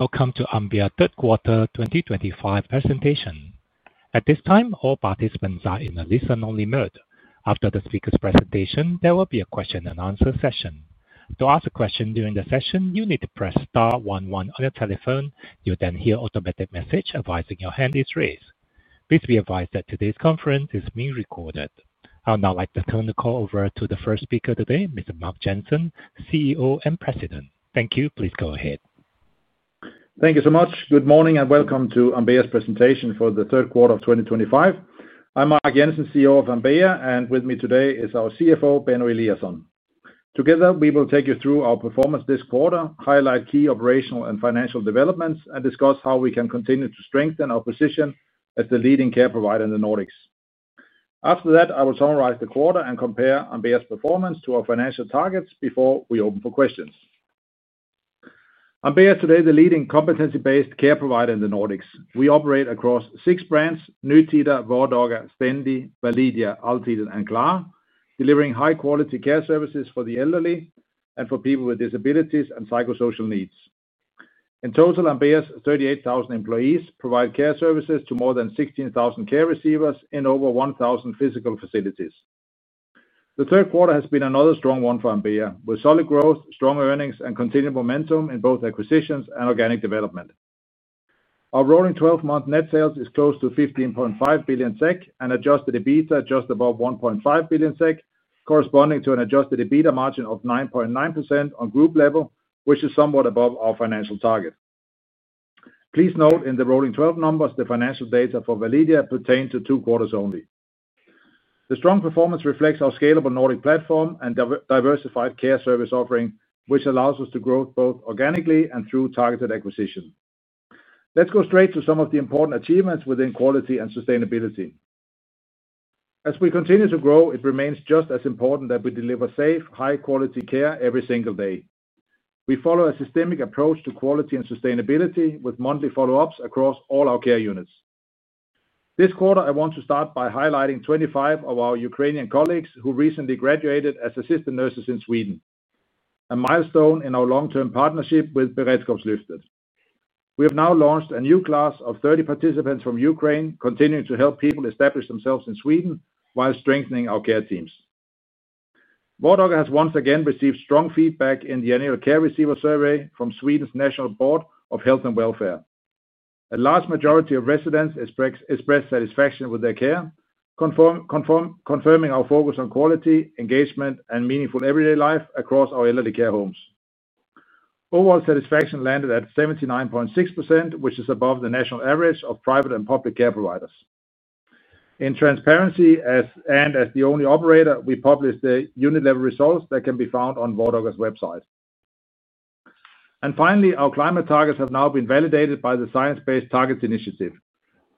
Welcome to Ambea Q3 2025 presentation. At this time, all participants are in a listen-only mode. After the speaker's presentation, there will be a question-and-answer session. To ask a question during the session, you need to press star one one on your telephone. You'll then hear an automated message advising your hand is raised. Please be advised that today's conference is being recorded. I would now like to turn the call over to the first speaker today, Mr. Mark Jensen, CEO and President. Thank you. Please go ahead. Thank you so much. Good morning and welcome to Ambea's presentation for Q3 2025. I'm Mark Jensen, CEO of Ambea, and with me today is our CFO, Benno Eliasson. Together, we will take you through our performance this quarter, highlight key operational and financial developments, and discuss how we can continue to strengthen our position as the leading care provider in the Nordics. After that, I will summarize the quarter and compare Ambea's performance to our financial targets before we open for questions. Ambea is today the leading competency-based care provider in the Nordics. We operate across six brands: Nytida, Vardaga, Stendi, Validia, Altiden, and Klara, delivering high-quality care services for the elderly and for people with disabilities and psychosocial needs. In total, Ambea's 38,000 employees provide care services to more than 16,000 care receivers in over 1,000 physical facilities. The third quarter has been another strong one for Ambea, with solid growth, strong earnings, and continued momentum in both acquisitions and organic development. Our rolling 12-month net sales is close to 15.5 billion SEK and adjusted EBITDA just above 1.5 billion SEK, corresponding to an adjusted EBITDA margin of 9.9% on group level, which is somewhat above our financial target. Please note in the rolling 12 numbers, the financial data for Validia pertain to two quarters only. The strong performance reflects our scalable Nordic platform and diversified care service offering, which allows us to grow both organically and through targeted acquisition. Let's go straight to some of the important achievements within quality and sustainability. As we continue to grow, it remains just as important that we deliver safe, high-quality care every single day. We follow a systemic approach to quality and sustainability, with monthly follow-ups across all our care units. This quarter, I want to start by highlighting 25 of our Ukrainian colleagues who recently graduated as assistant nurses in Sweden, a milestone in our long-term partnership with Beredskapslyftet. We have now launched a new class of 30 participants from Ukraine, continuing to help people establish themselves in Sweden while strengthening our care teams. Vardaga has once again received strong feedback in the annual care receiver survey from Sweden's National Board of Health and Welfare. A large majority of residents expressed satisfaction with their care, confirming our focus on quality, engagement, and meaningful everyday life across our elderly care homes. Overall satisfaction landed at 79.6%, which is above the national average of private and public care providers. In transparency and as the only operator, we published the unit-level results that can be found on Vardaga's website. Finally, our climate targets have now been validated by the Science-Based Targets Initiative,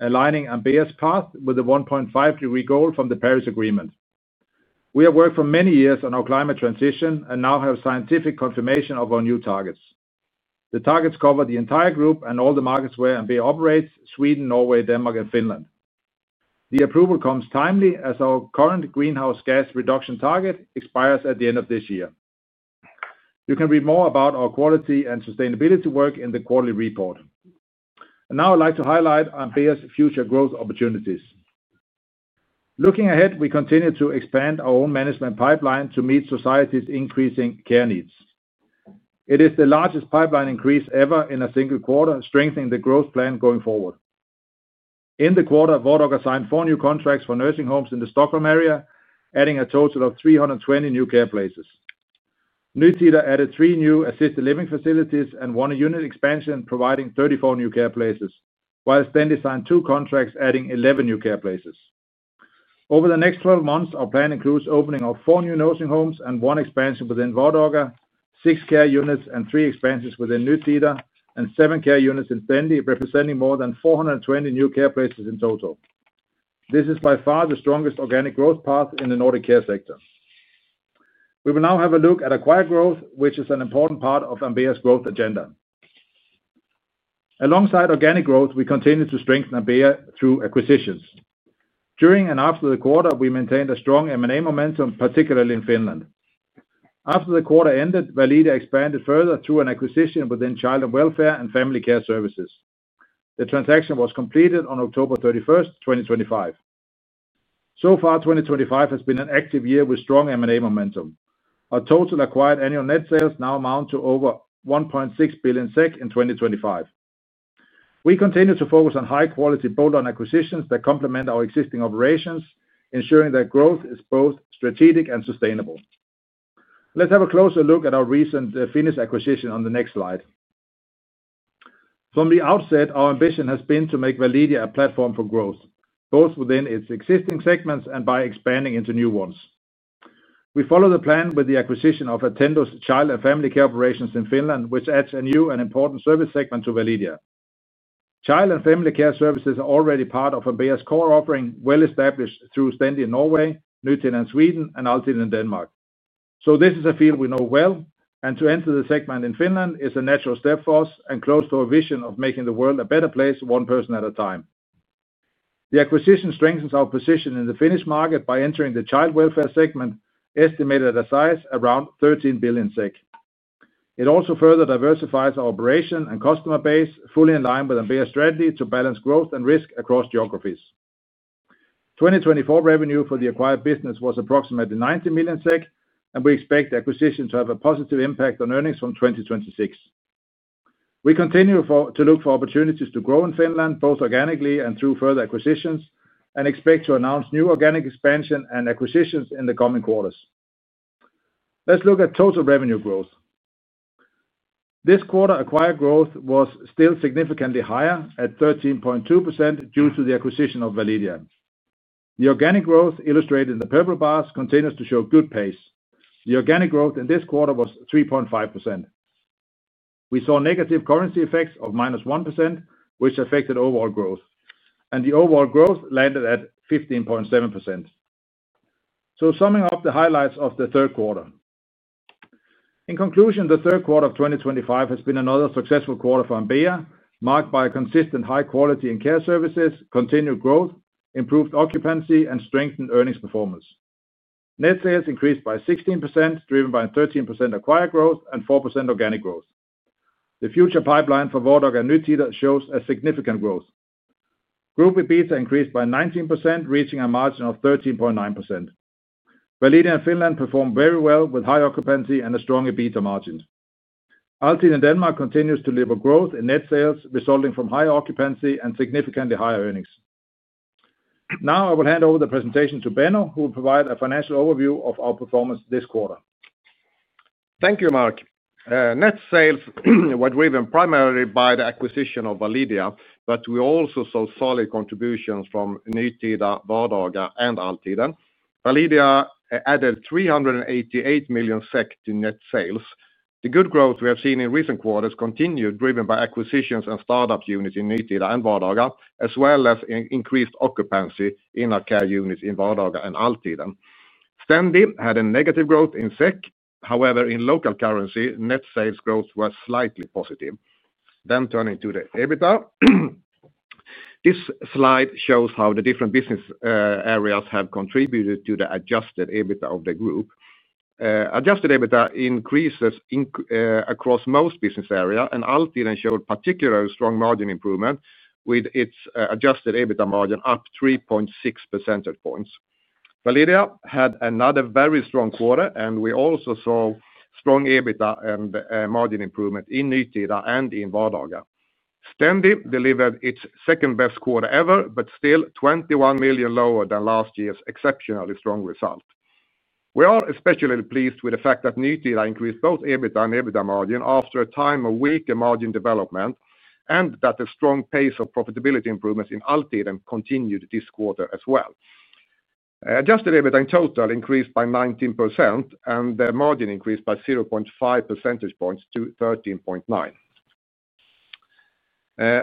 aligning Ambea's path with the 1.5 degrees goal from the Paris Agreement. We have worked for many years on our climate transition and now have scientific confirmation of our new targets. The targets cover the entire group and all the markets where Ambea operates: Sweden, Norway, Denmark, and Finland. The approval comes timely as our current greenhouse gas reduction target expires at the end of this year. You can read more about our quality and sustainability work in the quarterly report. I would like to highlight Ambea's future growth opportunities. Looking ahead, we continue to expand our own management pipeline to meet society's increasing care needs. It is the largest pipeline increase ever in a single quarter, strengthening the growth plan going forward. In the quarter, Vardaga signed four new contracts for nursing homes in the Stockholm area, adding a total of 320 new care places. Nytida added three new assisted living facilities and won a unit expansion, providing 34 new care places, while Stendi signed two contracts, adding 11 new care places. Over the next 12 months, our plan includes the opening of four new nursing homes and one expansion within Vardaga, six care units and three expansions within Nytida, and seven care units in Stendi, representing more than 420 new care places in total. This is by far the strongest organic growth path in the Nordic care sector. We will now have a look at acquired growth, which is an important part of Ambea's growth agenda. Alongside organic growth, we continue to strengthen Ambea through acquisitions. During and after the quarter, we maintained a strong M&A momentum, particularly in Finland. After the quarter ended, Validia expanded further through an acquisition within child and welfare and family care services. The transaction was completed on October 31st, 2025. So far, 2025 has been an active year with strong M&A momentum. Our total acquired annual net sales now amount to over 1.6 billion SEK in 2025. We continue to focus on high-quality bolt-on acquisitions that complement our existing operations, ensuring that growth is both strategic and sustainable. Let's have a closer look at our recent Finnish acquisition on the next slide. From the outset, our ambition has been to make Validia a platform for growth, both within its existing segments and by expanding into new ones. We follow the plan with the acquisition of Attendo's child and family care operations in Finland, which adds a new and important service segment to Validia. Child and family care services are already part of Ambea's core offering, well established through Stendi in Norway, Nytida in Sweden, and Altiden, Denmark. This is a field we know well, and to enter the segment in Finland is a natural step for us and close to our vision of making the world a better place, one person at a time. The acquisition strengthens our position in the Finnish market by entering the child welfare segment, estimated at a size around 13 billion SEK. It also further diversifies our operation and customer base, fully in line with Ambea's strategy to balance growth and risk across geographies. 2024 revenue for the acquired business was approximately 90 million SEK, and we expect the acquisition to have a positive impact on earnings from 2026. We continue to look for opportunities to grow in Finland, both organically and through further acquisitions, and expect to announce new organic expansion and acquisitions in the coming quarters. Let's look at total revenue growth. This quarter, acquired growth was still significantly higher at 13.2% due to the acquisition of Validia. The organic growth, illustrated in the purple bars, continues to show good pace. The organic growth in this quarter was 3.5%. We saw negative currency effects of -1%, which affected overall growth, and the overall growth landed at 15.7%. Summing up the highlights of the third quarter. In conclusion, the third quarter of 2025 has been another successful quarter for Ambea, marked by consistent high quality in care services, continued growth, improved occupancy, and strengthened earnings performance. Net sales increased by 16%, driven by 13% acquired growth and 4% organic growth. The future pipeline for Vardaga and Nytida shows a significant growth. Group EBITDA increased by 19%, reaching a margin of 13.9%. Validia and Finland performed very well with high occupancy and a strong EBITDA margin. Altiden, Denmark, continues to deliver growth in net sales, resulting from higher occupancy and significantly higher earnings. Now I will hand over the presentation to Benno, who will provide a financial overview of our performance this quarter. Thank you, Mark. Net sales were driven primarily by the acquisition of Validia, but we also saw solid contributions from Nytida, Vardaga, and Altiden. Validia added 388 million SEK to net sales. The good growth we have seen in recent quarters continued, driven by acquisitions and startup units in Nytida and Vardaga, as well as increased occupancy in our care units in Vardaga and Altiden. Stendi had a negative growth in SEK. However, in local currency, net sales growth was slightly positive. Turning to the EBITDA, this slide shows how the different business areas have contributed to the adjusted EBITDA of the group. Adjusted EBITDA increases across most business areas, and Altiden showed particularly strong margin improvement, with its adjusted EBITDA margin up 3.6 percentage points. Validia had another very strong quarter, and we also saw strong EBITDA and margin improvement in Nytida and in Vardaga. Stendi delivered its second-best quarter ever, but still 21 million lower than last year's exceptionally strong result. We are especially pleased with the fact that Nytida increased both EBITDA and EBITDA margin after a time of weaker margin development, and that the strong pace of profitability improvements in Altiden continued this quarter as well. Adjusted EBITDA in total increased by 19%, and the margin increased by 0.5 percentage points to 13.9%.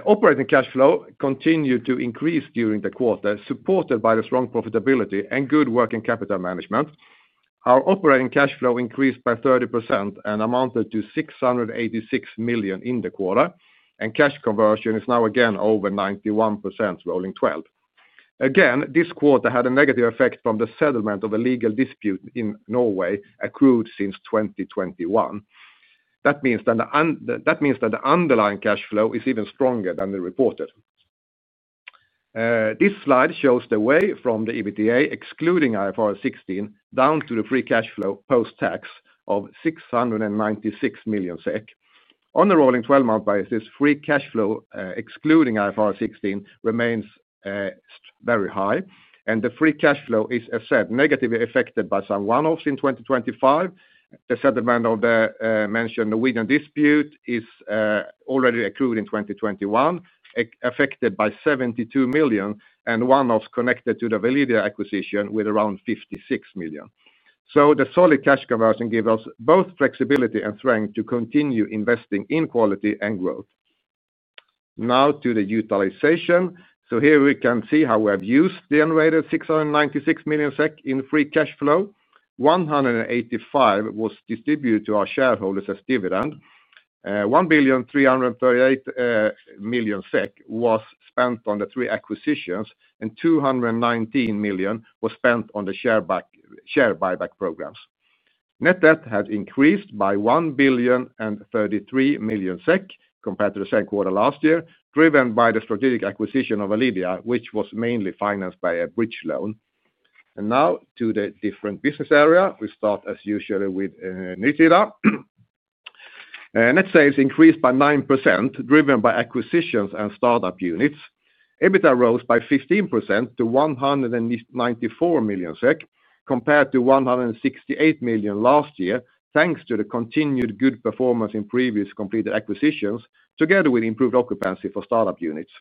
Operating cash flow continued to increase during the quarter, supported by the strong profitability and good working capital management. Our operating cash flow increased by 30% and amounted to 686 million in the quarter, and cash conversion is now again over 91%, rolling 12. Again, this quarter had a negative effect from the settlement of a legal dispute in Norway accrued since 2021. That means that the underlying cash flow is even stronger than reported. This slide shows the way from the EBITDA, excluding IFRS 16, down to the free cash flow post-tax of 696 million SEK. On a rolling 12-month basis, free cash flow excluding IFRS 16 remains very high, and the free cash flow is, as said, negatively affected by some one-offs in 2025. The settlement of the mentioned Norwegian dispute is already accrued in 2021, affected by 72 million, and one-offs connected to the Validia acquisition with around 56 million. The solid cash conversion gives us both flexibility and strength to continue investing in quality and growth. Now to the utilization. Here we can see how we have used the unrated 696 million SEK in free cash flow. 185 million was distributed to our shareholders as dividend. 1,338 million SEK was spent on the three acquisitions, and 219 million was spent on the share buyback programs. Net debt had increased by 1,033 million SEK compared to the same quarter last year, driven by the strategic acquisition of Validia, which was mainly financed by a bridge loan. Now to the different business area. We start, as usual, with Nytida. Net sales increased by 9%, driven by acquisitions and startup units. EBITDA rose by 15% to 194 million SEK, compared to 168 million last year, thanks to the continued good performance in previous completed acquisitions, together with improved occupancy for startup units.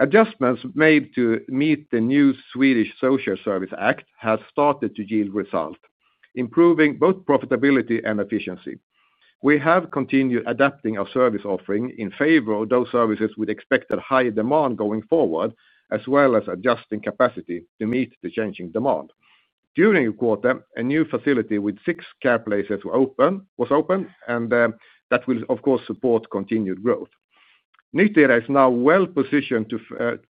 Adjustments made to meet the new Swedish Social Services Act have started to yield results, improving both profitability and efficiency. We have continued adapting our service offering in favor of those services with expected high demand going forward, as well as adjusting capacity to meet the changing demand. During the quarter, a new facility with six care places was opened, and that will, of course, support continued growth. Nytida is now well positioned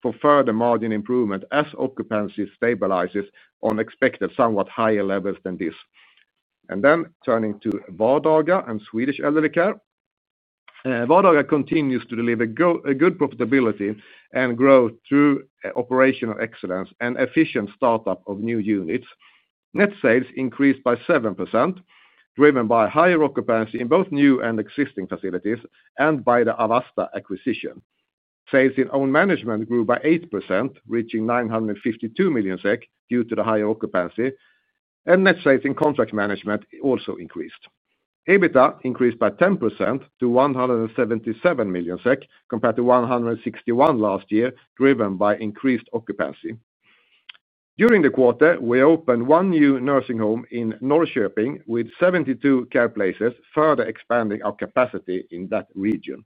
for further margin improvement as occupancy stabilizes on expected somewhat higher levels than this. Turning to Vardaga and Swedish elderly care. Vardaga continues to deliver good profitability and growth through operational excellence and efficient startup of new units. Net sales increased by 7%, driven by higher occupancy in both new and existing facilities and by the AvAsta acquisition. Sales in own management grew by 8%, reaching 952 million SEK due to the higher occupancy, and net sales in contract management also increased. EBITDA increased by 10% to 177 million SEK compared to 161 million last year, driven by increased occupancy. During the quarter, we opened one new nursing home in Norrköping with 72 care places, further expanding our capacity in that region.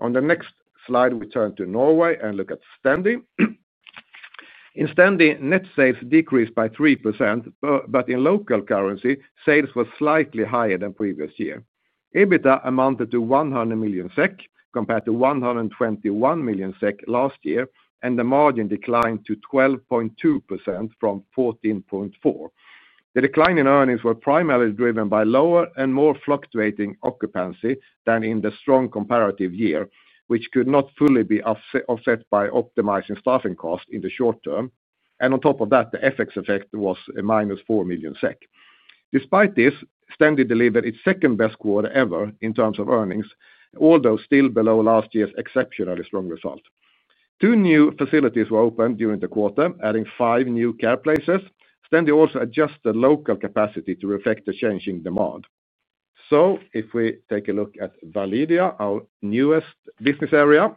On the next slide, we turn to Norway and look at Stendi. In Stendi, net sales decreased by 3%, but in local currency, sales were slightly higher than previous year. EBITDA amounted to 100 million SEK compared to 121 million SEK last year, and the margin declined to 12.2% from 14.4%. The decline in earnings was primarily driven by lower and more fluctuating occupancy than in the strong comparative year, which could not fully be offset by optimizing staffing costs in the short term. On top of that, the FX effect was -4 million SEK. Despite this, Stendi delivered its second-best quarter ever in terms of earnings, although still below last year's exceptionally strong result. Two new facilities were opened during the quarter, adding five new care places. Stendi also adjusted local capacity to reflect the changing demand. If we take a look at Validia, our newest business area.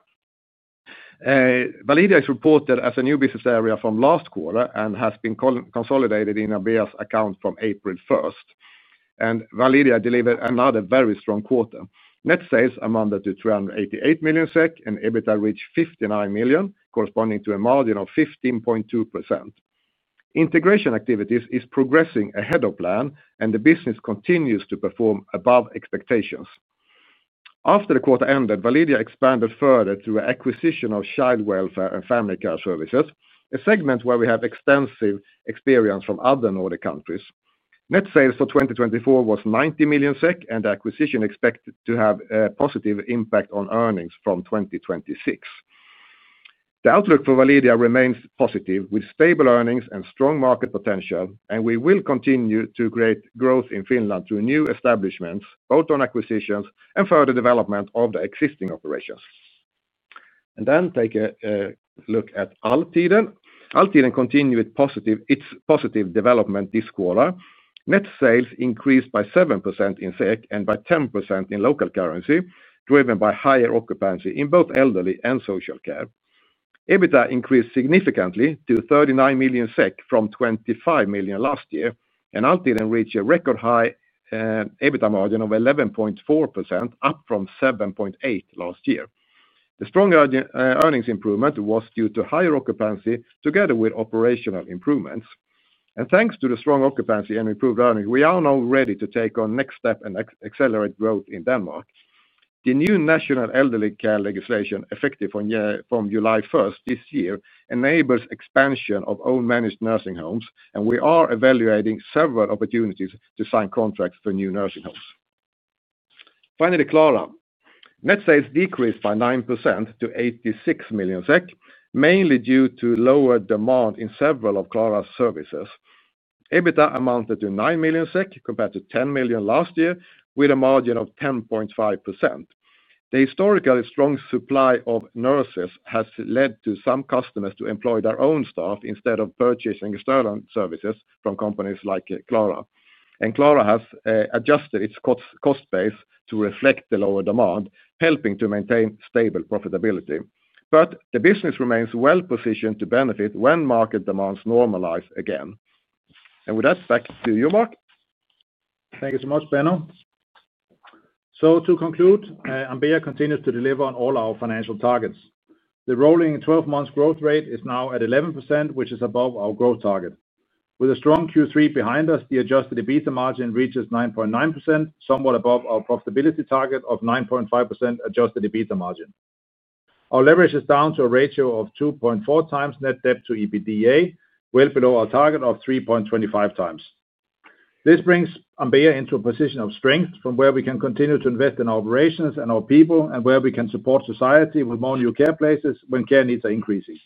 Validia is reported as a new business area from last quarter and has been consolidated in Ambea's account from April 1. Validia delivered another very strong quarter. Net sales amounted to 388 million SEK, and EBITDA reached 59 million, corresponding to a margin of 15.2%. Integration activities are progressing ahead of plan, and the business continues to perform above expectations. After the quarter ended, Validia expanded further through acquisition of child welfare and family care services, a segment where we have extensive experience from other Nordic countries. Net sales for 2024 was 90 million SEK, and the acquisition is expected to have a positive impact on earnings from 2026. The outlook for Validia remains positive, with stable earnings and strong market potential, and we will continue to create growth in Finland through new establishments, bolt-on acquisitions, and further development of the existing operations. Take a look at Altiden. Altiden continued its positive development this quarter. Net sales increased by 7% in SEK and by 10% in local currency, driven by higher occupancy in both elderly and social care. EBITDA increased significantly to 39 million SEK from 25 million last year, and Altiden reached a record high. EBITDA margin of 11.4%, up from 7.8% last year. The strong earnings improvement was due to higher occupancy together with operational improvements. Thanks to the strong occupancy and improved earnings, we are now ready to take our next step and accelerate growth in Denmark. The new national elderly care legislation, effective from July 1st this year, enables expansion of own-managed nursing homes, and we are evaluating several opportunities to sign contracts for new nursing homes. Finally, Klara. Net sales decreased by 9% to 86 million SEK, mainly due to lower demand in several of Klara's services. EBITDA amounted to 9 million SEK compared to 10 million last year, with a margin of 10.5%. The historically strong supply of nurses has led to some customers to employ their own staff instead of purchasing external services from companies like Klara. Klara has adjusted its cost base to reflect the lower demand, helping to maintain stable profitability. The business remains well positioned to benefit when market demands normalize again. With that, back to you, Mark. Thank you so much, Benno. To conclude, Ambea continues to deliver on all our financial targets. The rolling 12-month growth rate is now at 11%, which is above our growth target. With a strong Q3 behind us, the adjusted EBITDA margin reaches 9.9%, somewhat above our profitability target of 9.5% adjusted EBITDA margin. Our leverage is down to a ratio of 2.4x net debt to EBITDA, well below our target of 3.25x. This brings Ambea into a position of strength from where we can continue to invest in our operations and our people, and where we can support society with more new care places when care needs are increasing.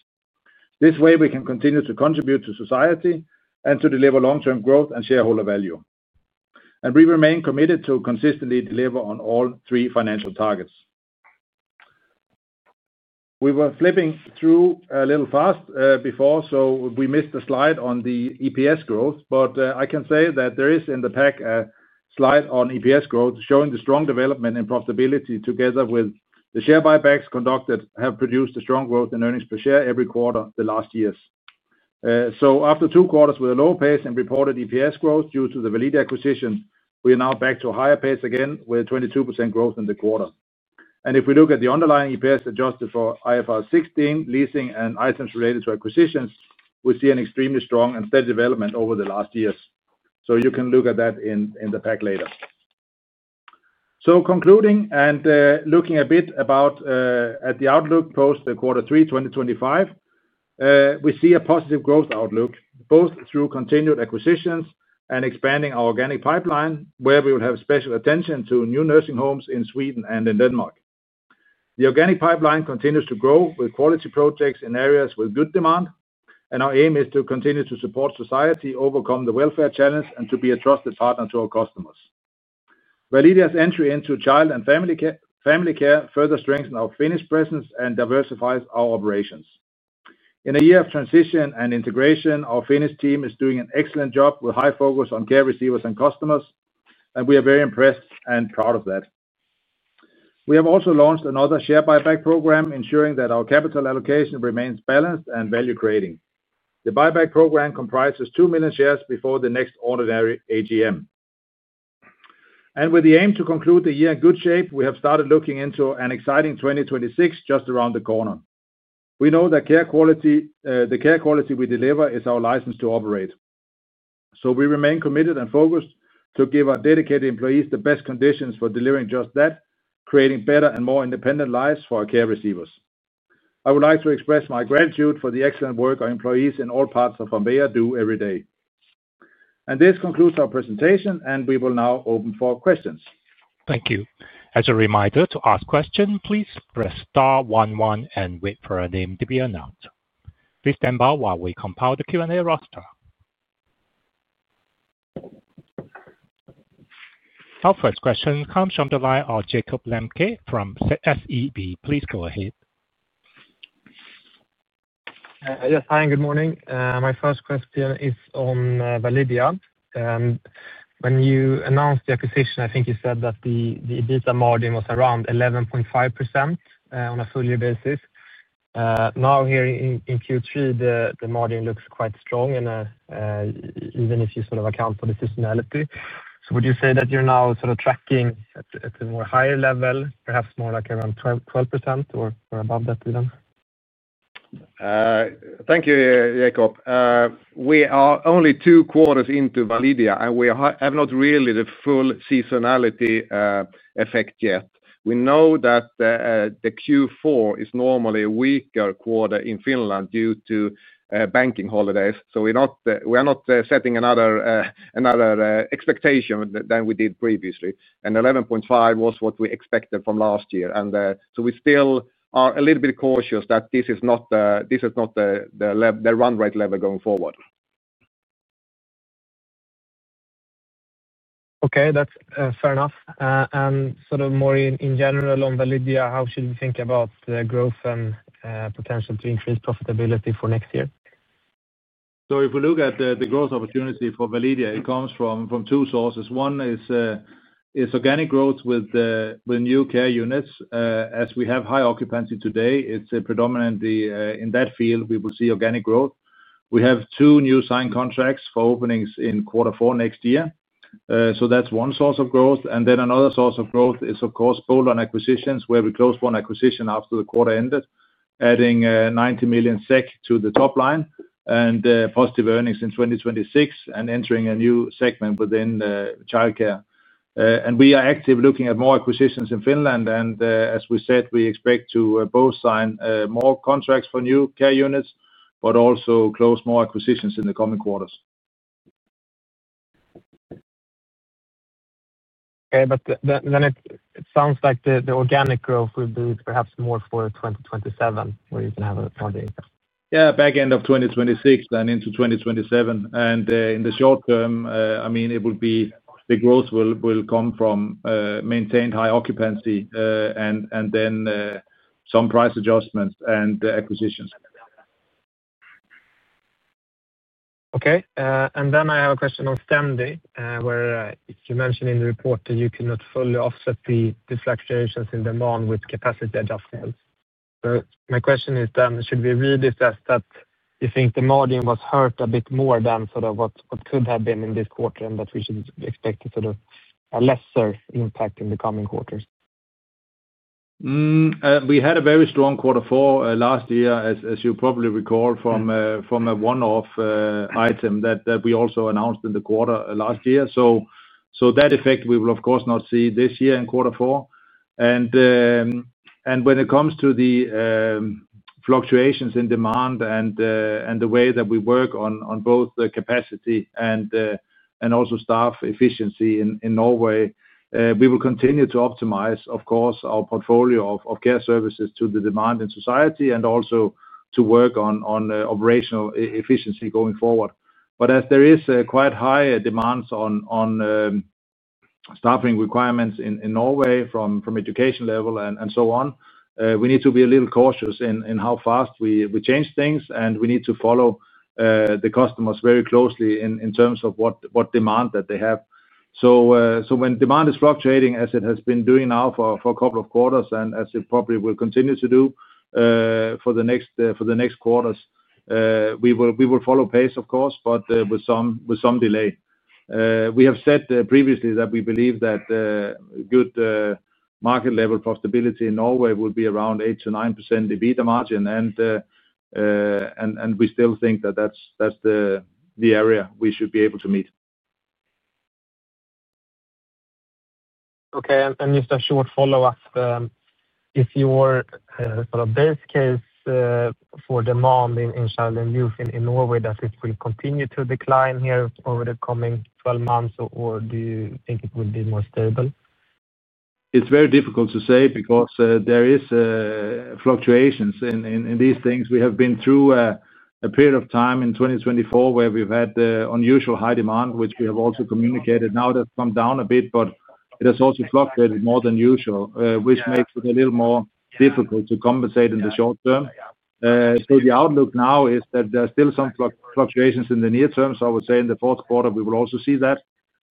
This way, we can continue to contribute to society and to deliver long-term growth and shareholder value. We remain committed to consistently deliver on all three financial targets. We were flipping through a little fast before, so we missed the slide on the EPS growth, but I can say that there is in the pack a slide on EPS growth showing the strong development in profitability together with the share buybacks conducted have produced a strong growth in earnings per share every quarter the last years. After two quarters with a low pace and reported EPS growth due to the Validia acquisition, we are now back to a higher pace again with a 22% growth in the quarter. If we look at the underlying EPS adjusted for IFRS 16, leasing, and items related to acquisitions, we see an extremely strong and steady development over the last years. You can look at that in the pack later. Concluding and looking a bit at the outlook post the quarter 3, 2025, we see a positive growth outlook, both through continued acquisitions and expanding our organic pipeline, where we will have special attention to new nursing homes in Sweden and in Denmark. The organic pipeline continues to grow with quality projects in areas with good demand, and our aim is to continue to support society, overcome the welfare challenge, and to be a trusted partner to our customers. Validia's entry into child and family care further strengthens our Finnish presence and diversifies our operations. In a year of transition and integration, our Finnish team is doing an excellent job with high focus on care receivers and customers, and we are very impressed and proud of that. We have also launched another share buyback program, ensuring that our capital allocation remains balanced and value-creating. The buyback program comprises 2 million shares before the next ordinary AGM. With the aim to conclude the year in good shape, we have started looking into an exciting 2026 just around the corner. We know that the care quality we deliver is our license to operate. We remain committed and focused to give our dedicated employees the best conditions for delivering just that, creating better and more independent lives for our care receivers. I would like to express my gratitude for the excellent work our employees in all parts of Ambea do every day. This concludes our presentation, and we will now open for questions. Thank you. As a reminder, to ask questions, please press star one one and wait for a name to be announced. Please stand by while we compile the Q&A roster. Our first question comes from the line of Jakob Lembke from SEB. Please go ahead. Hi, good morning. My first question is on Validia. When you announced the acquisition, I think you said that the EBITDA margin was around 11.5% on a full-year basis. Now, here in Q3, the margin looks quite strong. Even if you sort of account for the seasonality. Would you say that you're now sort of tracking at a more higher level, perhaps more like around 12% or above that? Thank you, Jakob. We are only two quarters into Validia, and we have not really the full seasonality effect yet. We know that the Q4 is normally a weaker quarter in Finland due to banking holidays. We are not setting another expectation than we did previously. 11.5% was what we expected from last year, and we still are a little bit cautious that this is not the run rate level going forward. Okay, that's fair enough. More in general on Validia, how should we think about the growth and potential to increase profitability for next year? If we look at the growth opportunity for Validia, it comes from two sources. One is organic growth with new care units. As we have high occupancy today, it's predominantly in that field we will see organic growth. We have two new signed contracts for openings in quarter four next year. That's one source of growth. Another source of growth is, of course, bolt-on acquisitions, where we closed one acquisition after the quarter ended, adding 90 million SEK to the top line and positive earnings in 2026 and entering a new segment within childcare. We are active looking at more acquisitions in Finland. As we said, we expect to both sign more contracts for new care units, but also close more acquisitions in the coming quarters. It sounds like the organic growth will be perhaps more for 2027, where you can have a target? Yeah, back end of 2026 and into 2027. In the short term, I mean, the growth will come from maintained high occupancy and then some price adjustments and acquisitions. I have a question on Stendi, where you mentioned in the report that you cannot fully offset the fluctuations in demand with capacity adjustments. My question is, should we really assess that you think the margin was hurt a bit more than what could have been in this quarter and that we should expect a lesser impact in the coming quarters? We had a very strong quarter four last year, as you probably recall from a one-off item that we also announced in the quarter last year. That effect we will, of course, not see this year in quarter four. When it comes to the. Fluctuations in demand and the way that we work on both the capacity and also staff efficiency in Norway, we will continue to optimize, of course, our portfolio of care services to the demand in society and also to work on operational efficiency going forward. As there are quite high demands on staffing requirements in Norway from education level and so on, we need to be a little cautious in how fast we change things, and we need to follow the customers very closely in terms of what demand that they have. When demand is fluctuating, as it has been doing now for a couple of quarters and as it probably will continue to do for the next quarters, we will follow pace, of course, but with some delay. We have said previously that we believe that. Good market-level profitability in Norway will be around 8%-9% EBITDA margin. We still think that that's the area we should be able to meet. Okay. Just a short follow-up. If you were sort of best case for demand in child and youth in Norway, that it will continue to decline here over the coming 12 months, or do you think it will be more stable? It's very difficult to say because there are fluctuations in these things. We have been through a period of time in 2024 where we've had unusually high demand, which we have also communicated. Now that's come down a bit, but it has also fluctuated more than usual, which makes it a little more difficult to compensate in the short term. The outlook now is that there are still some fluctuations in the near term. I would say in the fourth quarter, we will also see that.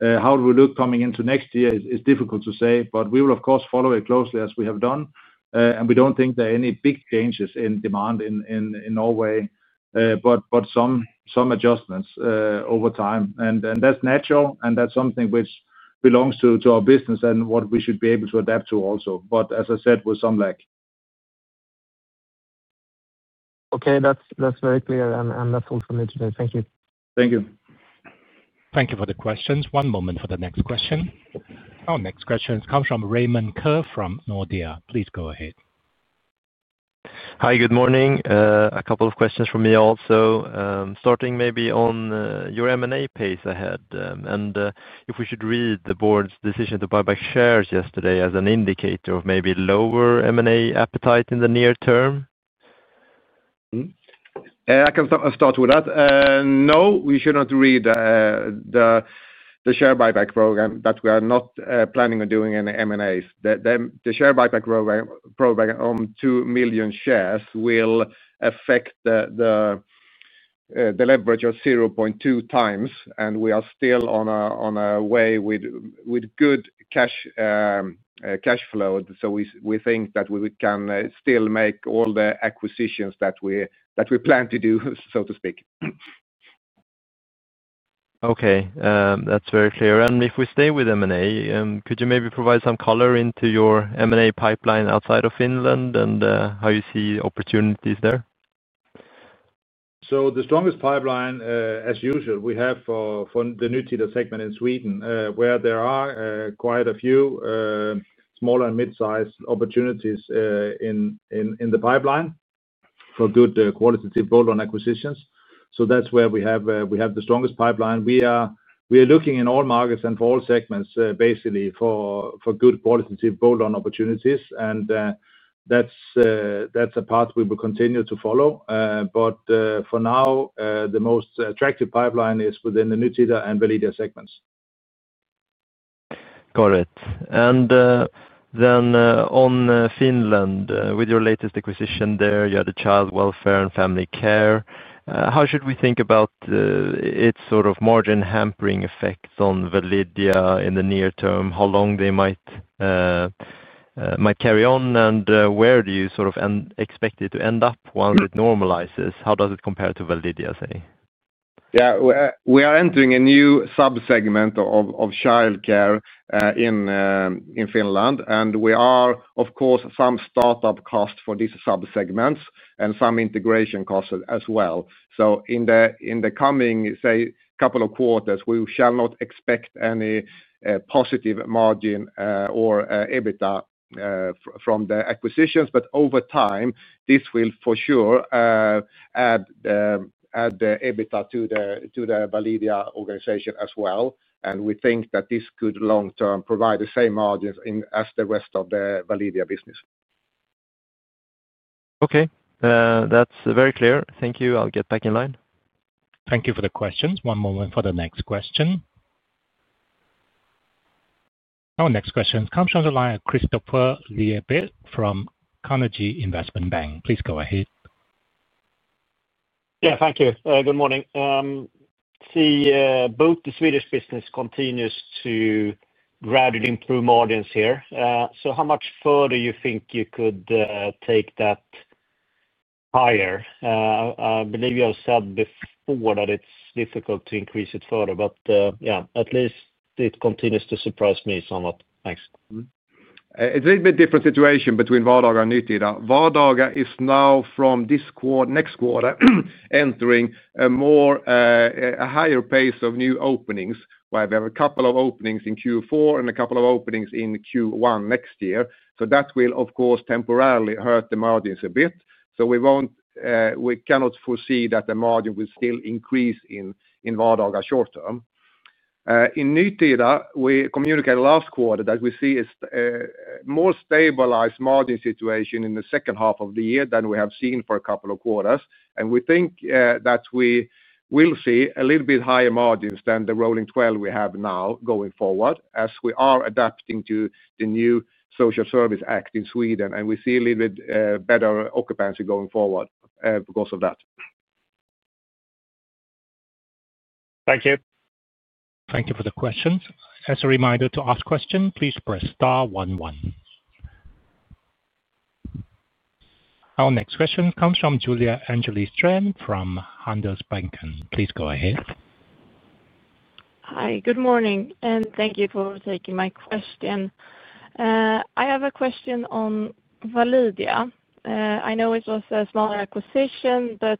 How we look coming into next year is difficult to say, but we will, of course, follow it closely as we have done. We do not think there are any big changes in demand in Norway. Some adjustments over time, and that is natural, and that is something which belongs to our business and what we should be able to adapt to also. As I said, with some lag. Okay, that is very clear, and that is all for me today. Thank you. Thank you. Thank you for the questions. One moment for the next question. Our next question comes from Raymond Ke from Nordea. Please go ahead. Hi, good morning. A couple of questions for me also, starting maybe on your M&A pace ahead. If we should read the board's decision to buy back shares yesterday as an indicator of maybe lower M&A appetite in the near term? I can start with that. No, we should not read the share buyback program, but we are not planning on doing any M&As. The share buyback program on 2 million shares will affect the leverage of 0.2x, and we are still on a way with good cash flow. We think that we can still make all the acquisitions that we plan to do, so to speak. Okay, that's very clear. If we stay with M&A, could you maybe provide some color into your M&A pipeline outside of Finland and how you see opportunities there? The strongest pipeline, as usual, we have for the Nytida segment in Sweden, where there are quite a few. Smaller and mid-sized opportunities in the pipeline for good qualitative bolt-on acquisitions. That is where we have the strongest pipeline. We are looking in all markets and for all segments, basically, for good qualitative bolt-on opportunities. That is a path we will continue to follow. For now, the most attractive pipeline is within the Nytida and Validia segments. Got it. On Finland, with your latest acquisition there, you had the child welfare and family care. How should we think about its sort of margin hampering effects on Validia in the near term, how long they might carry on, and where do you sort of expect it to end up once it normalizes? How does it compare to Validia, say? Yeah, we are entering a new subsegment of childcare in. Finland, and we are, of course, some startup cost for these subsegments and some integration costs as well. In the coming, say, couple of quarters, we shall not expect any positive margin or EBITDA from the acquisitions, but over time, this will for sure add the EBITDA to the Validia organization as well. We think that this could, long term, provide the same margins as the rest of the Validia business. Okay, that's very clear. Thank you. I'll get back in line. Thank you for the questions. One moment for the next question. Our next question comes from the line of Christopher Learbitt from Carnegie Investment Bank. Please go ahead. Yeah, thank you. Good morning. See, both the Swedish business continues to gradually improve margins here. How much further do you think you could take that higher? I believe you have said before that it's difficult to increase it further, but yeah, at least it continues to surprise me somewhat. Thanks. It's a little bit different situation between Vardaga and Nytida. Vardaga is now, from this next quarter, entering a higher pace of new openings, where we have a couple of openings in Q4 and a couple of openings in Q1 next year. That will, of course, temporarily hurt the margins a bit. We cannot foresee that the margin will still increase in Vardaga short term. In Nytida, we communicated last quarter that we see a more stabilized margin situation in the second half of the year than we have seen for a couple of quarters. We think that we will see a little bit higher margins than the rolling 12 we have now going forward, as we are adapting to the new Social Service Act in Sweden. We see a little bit better occupancy going forward because of that. Thank you. Thank you for the questions. As a reminder to ask questions, please press star one one. Our next question comes from Julia Angeli Stran from Handelsbanken. Please go ahead. Hi, good morning, and thank you for taking my question. I have a question on Validia. I know it was a smaller acquisition, but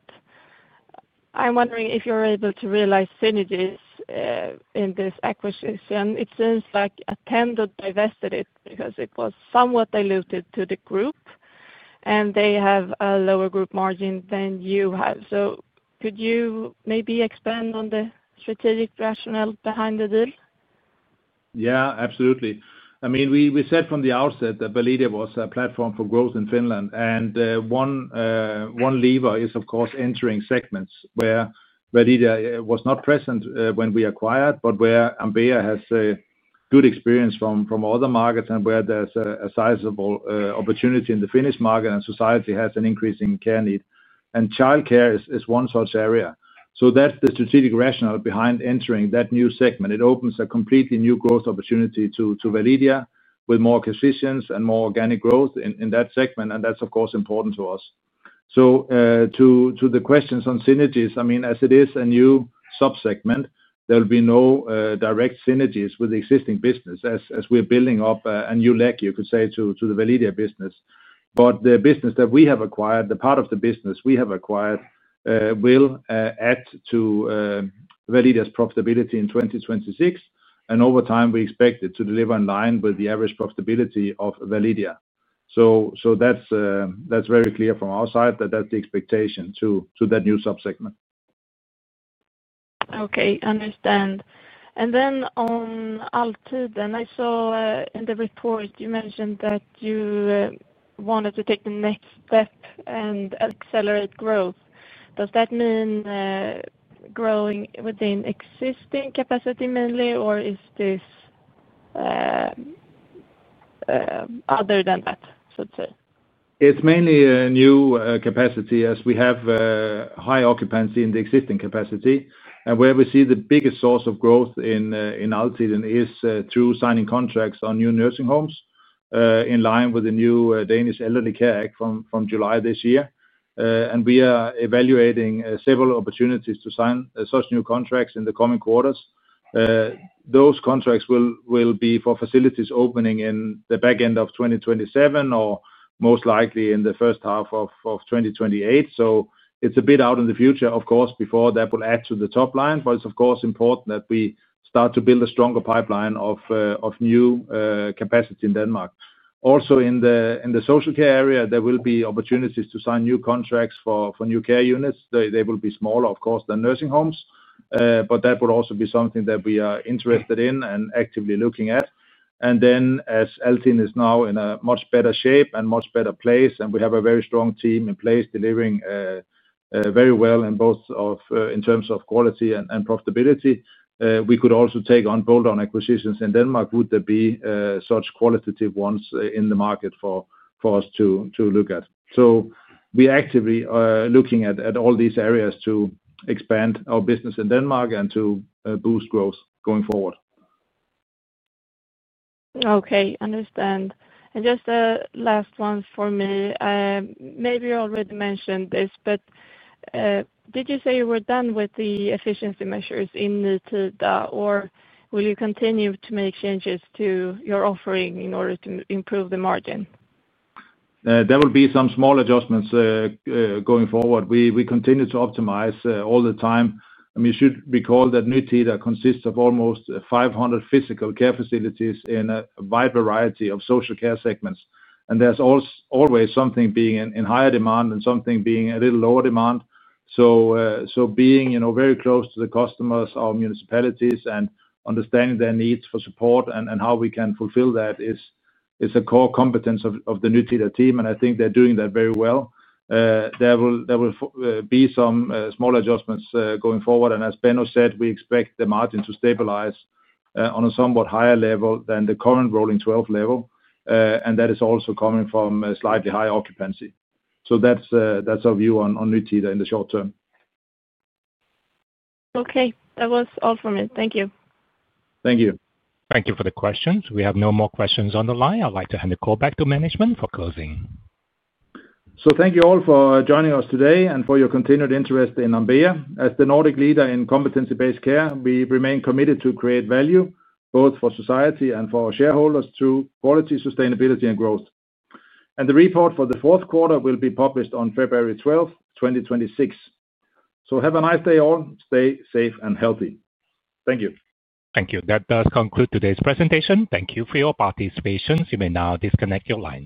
I'm wondering if you're able to realize synergies in this acquisition. It seems like Attendo divested it because it was somewhat diluted to the group, and they have a lower group margin than you have. Could you maybe expand on the strategic rationale behind the deal? Yeah, absolutely. I mean, we said from the outset that Validia was a platform for growth in Finland. And one lever is, of course, entering segments where Validia was not present when we acquired, but where Ambea has a good experience from other markets and where there is a sizable opportunity in the Finnish market and society has an increasing care need. Childcare is one such area. That is the strategic rationale behind entering that new segment. It opens a completely new growth opportunity to Validia with more acquisitions and more organic growth in that segment. That is, of course, important to us. To the questions on synergies, I mean, as it is a new subsegment, there will be no direct synergies with the existing business as we are building up a new leg, you could say, to the Validia business. The business that we have acquired, the part of the business we have acquired, will add to Validia's profitability in 2026. Over time, we expect it to deliver in line with the average profitability of Validia. That is very clear from our side that that is the expectation to that new subsegment. Okay, understand. On Altiden, I saw in the report you mentioned that you wanted to take the next step and accelerate growth. Does that mean growing within existing capacity mainly, or is this other than that, so to say? It is mainly a new capacity as we have high occupancy in the existing capacity. Where we see the biggest source of growth in Altiden is through signing contracts on new nursing homes in line with the new Danish Elderly Care Act from July this year. We are evaluating several opportunities to sign such new contracts in the coming quarters. Those contracts will be for facilities opening in the back end of 2027 or most likely in the first half of 2028. It is a bit out in the future, of course, before that will add to the top line. It is, of course, important that we start to build a stronger pipeline of new capacity in Denmark. Also, in the social care area, there will be opportunities to sign new contracts for new care units. They will be smaller, of course, than nursing homes. That would also be something that we are interested in and actively looking at. Altiden is now in a much better shape and much better place, and we have a very strong team in place delivering. Very well in terms of quality and profitability, we could also take on bolt-on acquisitions in Denmark would there be such qualitative ones in the market for us to look at. We are actively looking at all these areas to expand our business in Denmark and to boost growth going forward. Okay, understand. Just the last one for me. Maybe you already mentioned this, but did you say you were done with the efficiency measures in Nytida, or will you continue to make changes to your offering in order to improve the margin? There will be some small adjustments going forward. We continue to optimize all the time. I mean, you should recall that Nytida consists of almost 500 physical care facilities in a wide variety of social care segments. There is always something being in higher demand and something being a little lower demand. Being very close to the customers, our municipalities, and understanding their needs for support and how we can fulfill that is a core competence of the Nytida team, and I think they're doing that very well. There will be some small adjustments going forward. As Benno said, we expect the margin to stabilize on a somewhat higher level than the current rolling 12 level. That is also coming from slightly higher occupancy. That is our view on Nytida in the short term. Okay, that was all from me. Thank you. Thank you. Thank you for the questions. We have no more questions on the line. I'd like to hand the call back to management for closing. Thank you all for joining us today and for your continued interest in Ambea. As the Nordic leader in competency-based care, we remain committed to create value both for society and for our shareholders through quality, sustainability, and growth. The report for the fourth quarter will be published on February 12th, 2026. Have a nice day all. Stay safe and healthy. Thank you. Thank you. That does conclude today's presentation. Thank you for your participation. You may now disconnect your line.